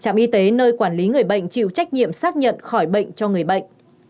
trạm y tế nơi quản lý người bệnh chịu trách nhiệm xác nhận khỏi bệnh cho người bệnh